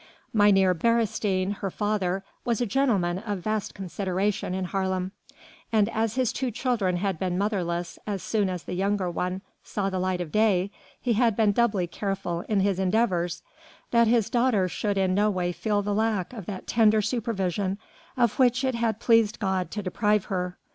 Mynheer Beresteyn, her father, was a gentleman of vast consideration in Haarlem, and as his two children had been motherless as soon as the younger one saw the light of day, he had been doubly careful in his endeavours that his daughter should in no way feel the lack of that tender supervision of which it had pleased God to deprive her.